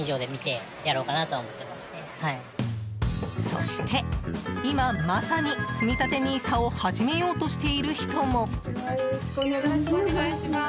そして、今まさにつみたてＮＩＳＡを始めようとしている人も。